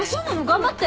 頑張って。